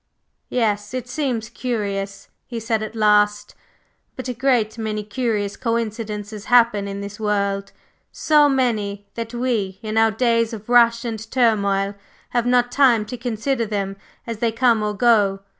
"Yes, it seems curious," he said at last, "but a great many curious coincidences happen in this world so many that we, in our days of rush and turmoil, have not time to consider them as they come or go.